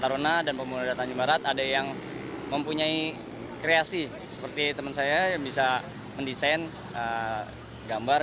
taruna dan pemuda tanjung barat ada yang mempunyai kreasi seperti teman saya yang bisa mendesain gambar